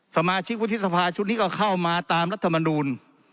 สมาชิกวุฒิสภาชุดนี้ก็เข้ามาตามรัฐมนูล